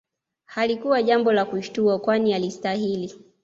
Halikuwa jambo la kushtua kwani alistahili